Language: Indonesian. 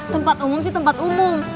tempat umum sih tempat umum